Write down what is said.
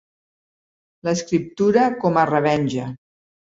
L'escriptura com a revenja.